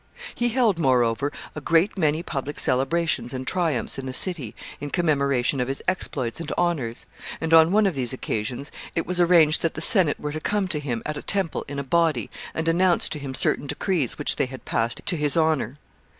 ] He held, moreover, a great many public celebrations and triumphs in the city in commemoration of his exploits and honors; and, on one of these occasions, it was arranged that the Senate were to come to him at a temple in a body, and announce to him certain decrees which they had passed to his honor.